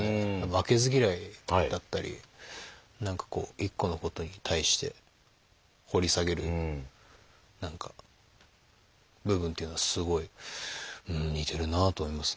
負けず嫌いだったり何かこう一個のことに対して掘り下げる部分というのはすごい似てるなぁと思いますね。